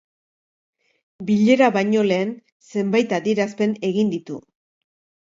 Bilera baino lehen, zenbait adierazpen egin ditu.